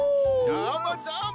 どーもどーも。